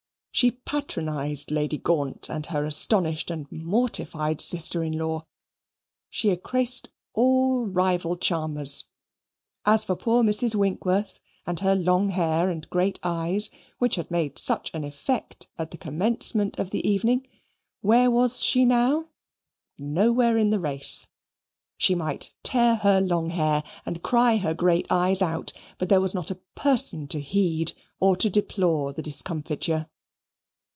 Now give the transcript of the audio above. She patronized Lady Gaunt and her astonished and mortified sister in law she ecrased all rival charmers. As for poor Mrs. Winkworth, and her long hair and great eyes, which had made such an effect at the commencement of the evening where was she now? Nowhere in the race. She might tear her long hair and cry her great eyes out, but there was not a person to heed or to deplore the discomfiture.